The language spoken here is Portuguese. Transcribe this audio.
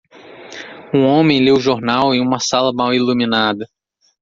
Um homem lê o jornal em uma sala mal iluminada.